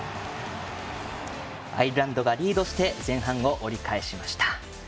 アイルランドがリードして前半を折り返しました。